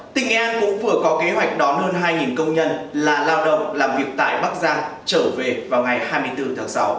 tỉnh nghệ an cũng vừa có kế hoạch đón hơn hai công nhân là lao động làm việc tại bắc giang trở về vào ngày hai mươi bốn tháng sáu